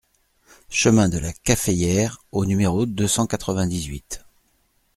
Chemin de la Caféière au numéro deux cent quatre-vingt-dix-huit